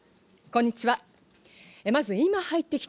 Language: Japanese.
こんにちは。